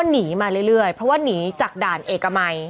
หนีมาเรื่อยเพราะว่าหนีจากด่านเอกมัย